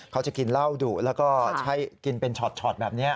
เขาจะกินเหล้าดุแล้วก็ใช้กินเป็นช็อตแบบนี้